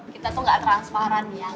kita tuh gak transparan ya